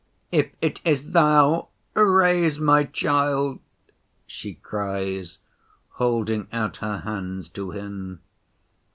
'If it is Thou, raise my child!' she cries, holding out her hands to Him.